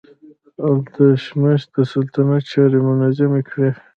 التتمش د سلطنت چارې منظمې کړې.